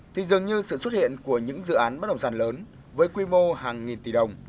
thì dường như sự xuất hiện của những dự án bất động sản lớn với quy mô hàng nghìn tỷ đồng